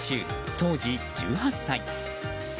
当時１８歳。